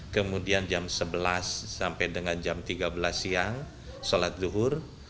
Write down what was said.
kemudian jam sebelas sampai dengan jam tiga belas siang sholat zuhur